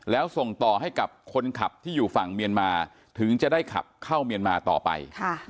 แล้วส่งต่อให้กับคนขับที่อยู่ฝั่งเมียนมาถึงจะได้ขับเข้าเมียนมาต่อไป